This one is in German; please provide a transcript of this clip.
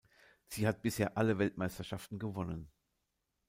Sie hat bisher alle Weltmeisterschaften gewonnen.